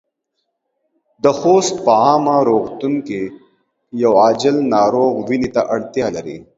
د خوست په عامه روغتون کې يو عاجل ناروغ وينې ته اړتیا لري.